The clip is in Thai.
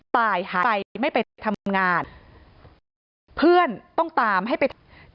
ตายหายไปไม่ไปทำงานเพื่อนต้องตามให้ไป